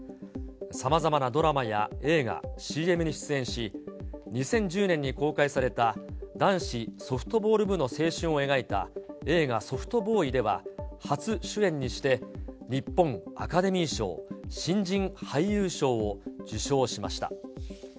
さまざまなドラマや映画、ＣＭに出演し、２０１０年に公開された、男子ソフトボール部の青春を描いた映画、ソフトボーイでは、初主演にして、日本アカデミー賞・新人俳優賞を受賞しました。